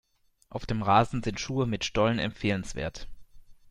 Auf dem Rasen sind Schuhe mit Stollen empfehlenswert.